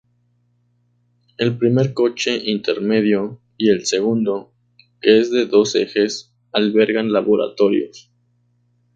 El primer coche intermedio y el segundo —que es de dos ejes— albergan laboratorios.